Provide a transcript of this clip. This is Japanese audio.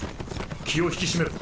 気を引き締めろ。